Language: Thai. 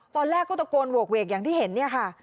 ตอนแรกก็ตะโกนโหกเวกอย่างที่เห็นเนี่ยค่ะ